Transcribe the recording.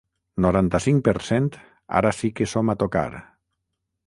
Noranta-cinc per cent Ara sí que som a tocar.